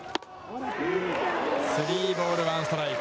スリーボールワンストライク。